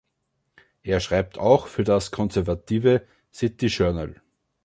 Er schreibt auch für das konservative „City Journal“.